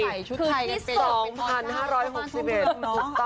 ใส่ชุดไทยเป็นเป็นตอนหน้าประมาณชั่วเมืองเนอะ